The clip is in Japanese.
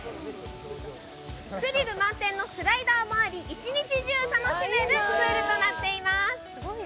スリル満点のスライダーもあり、一日中楽しめるプールとなっています。